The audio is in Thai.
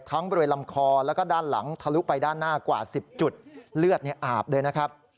บริเวณลำคอแล้วก็ด้านหลังทะลุไปด้านหน้ากว่า๑๐จุดเลือดอาบเลยนะครับ